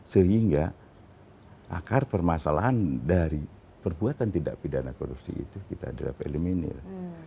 sehingga akar permasalahan dari perbuatan tidak pidana korupsi itu kita drap eliminir